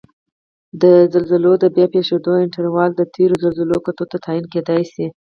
د زلزلو د بیا پېښیدو انټروال د تېرو زلزلو کتو ته تعین کېدای شي